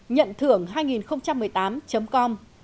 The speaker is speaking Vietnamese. nhận thưởng hai nghìn một mươi tám com